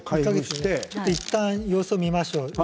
いったん様子を見ましょう。